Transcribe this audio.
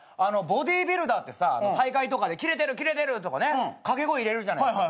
ボディビルダーってさ大会とかで「キレてるキレてる！」とかね掛け声入れるじゃないですか。